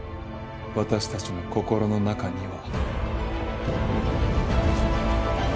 私たちの心の中には。